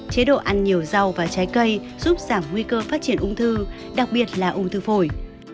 chế độ ăn nhiều rau và trái cây giúp giảm nguy cơ phát triển ung thư đặc biệt là ung thư phổi